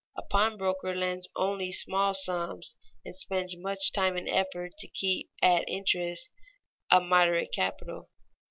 A pawnbroker lends only small sums and spends much time and effort to keep at interest a moderate capital.